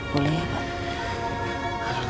boleh ya pak